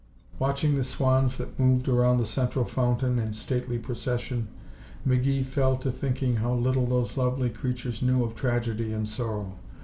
Watching the swans that moved around the central fountain in stately procession, McGee fell to thinking how little those lovely creatures knew of tragedy and sorrow.